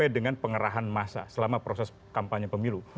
dengan pengerahan masa selama proses kampanye pemilu